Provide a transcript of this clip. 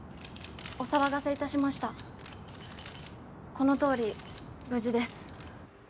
この通り無事です。